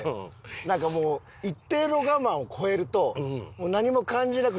なんかもう一定の我慢を越えるともう何も感じなく。